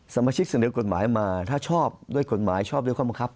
สมาชิกเสนอกฎหมายมาถ้าชอบด้วยกฎหมายชอบด้วยข้อบังคับ